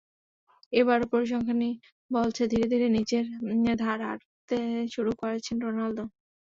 এবারও পরিসংখ্যানই বলছে, ধীরে ধীরে নিজের ধার হারাতে শুরু করেছেন রোনালদো।